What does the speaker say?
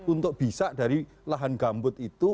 untuk bisa dari lahan gambut itu